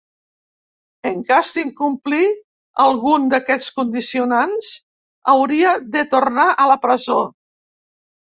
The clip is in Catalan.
En cas d’incomplir algun d’aquests condicionants, hauria de tornar a la presó.